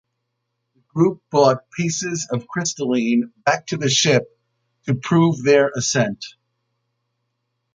The group brought pieces of crystalline back to the ship to prove their ascent.